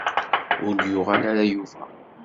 Ur d-yuɣal ara Yuba.